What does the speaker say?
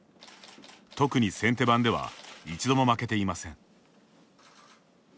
特に先手番では一度も負けていません。